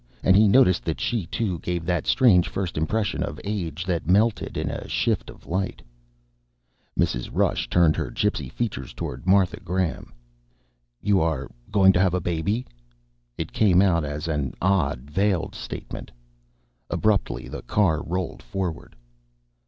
And he noticed that she, too, gave that strange first impression of age that melted in a shift of light. Mrs. Rush turned her gypsy features toward Martha Graham. "You are going to have a baby?" It came out as an odd, veiled statement. Abruptly, the car rolled forward.